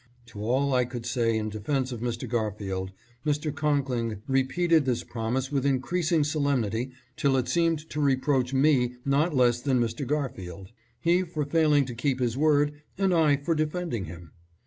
To all I could say in defense of Mr. Garfield, Mr. Conkling repeated this promise with increasing solemnity till it seemed to reproach me not less than Mr. Garfield; he for failing to keep his word and I for defending him.